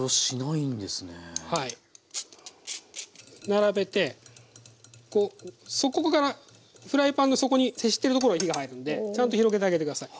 並べてこう底からフライパンの底に接してるところに火が入るんでちゃんと広げてあげて下さい。